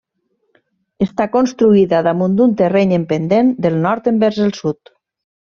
Està construïda damunt d'un terreny en pendent del nord envers el sud.